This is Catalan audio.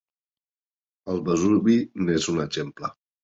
El Vesuvi n'és un exemple.